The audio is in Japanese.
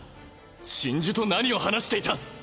真珠と何を話していた？